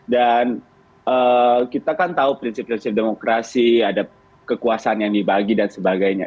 dan kita kan tahu prinsip prinsip demokrasi ada kekuasaan yang dibagi dan sebagainya